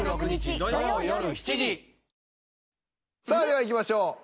さあではいきましょう。